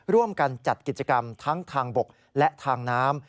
ร่วมกันจัดกิจกรรมทั้งทางบกและทางน้ำ